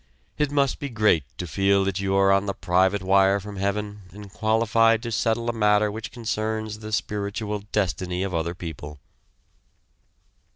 It must be great to feel that you are on the private wire from heaven and qualified to settle a matter which concerns the spiritual destiny of other people.